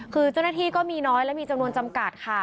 คือเจ้าหน้าที่ก็มีน้อยและมีจำนวนจำกัดค่ะ